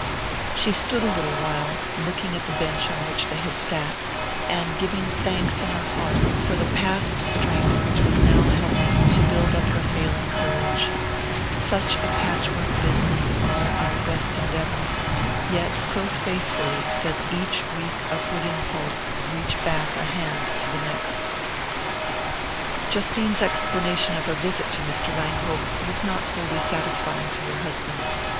She stood a little while looking at the bench on which they had sat, and giving thanks in her heart for the past strength which was now helping to build up her failing courage: such a patchwork business are our best endeavours, yet so faithfully does each weak upward impulse reach back a hand to the next. Justine's explanation of her visit to Mr. Langhope was not wholly satisfying to her husband.